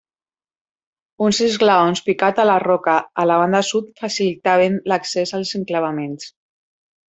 Uns esglaons picats a la roca a la banda sud facilitaven l'accés als enclavaments.